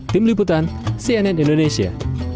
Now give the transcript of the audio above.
tim liputan cnn indonesia